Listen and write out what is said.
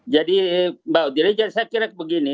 jadi mbak dirijen saya kira begini